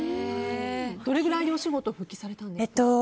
どれぐらいでお仕事復帰されたんですか？